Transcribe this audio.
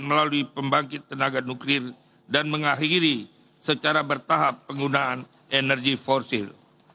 melalui pembangkit tenaga nuklir dan mengakhiri secara bertahap penggunaan energi fosil